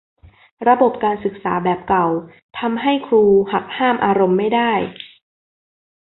ระบบการศึกษาแบบเก่าทำให้ครูหักห้ามอารมณ์ไม่ได้